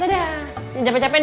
dadah jangan capek capek din